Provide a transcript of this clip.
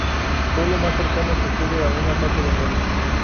Fue lo más cercano que estuve a un ataque de nervios.